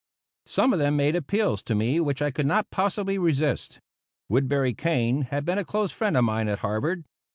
Some of them made appeals to me which I could not possibly resist. Woodbury Kane had been a close friend of mine at Harvard.